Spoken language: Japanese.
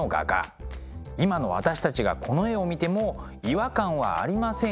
今の私たちがこの絵を見ても違和感はありませんが。